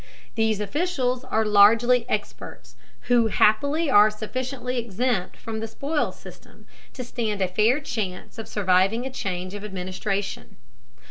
These officials are largely experts, who happily are sufficiently exempt from the spoils system to stand a fair chance of surviving a change of administration.